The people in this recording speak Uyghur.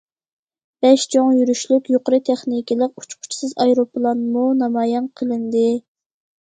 بەش چوڭ يۈرۈشلۈك يۇقىرى تېخنىكىلىق ئۇچقۇچىسىز ئايروپىلانمۇ نامايان قىلىندى.